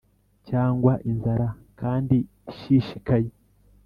cyangwa, inzara kandi ishishikaye,